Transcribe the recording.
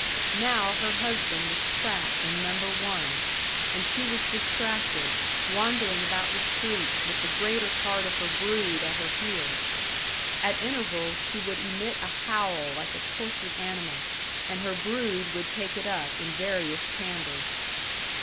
Now her husband was trapped in Number One, and she was distracted, wandering about the streets with the greater part of her brood at her heels. At intervals she would emit a howl like a tortured animal, and her brood would take it up in various timbres.